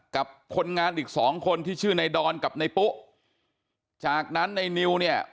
กับคนงานอีกสองคนที่ชื่อในดอนกับในปุ๊จากนั้นในนิวเนี่ย